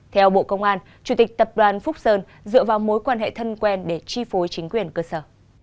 theo bộ công an chủ tịch tập đoàn phúc sơn dựa vào mối quan hệ thân quen để chi phối chính quyền cơ sở